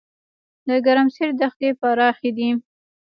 د ګرمسیر دښتې پراخې دي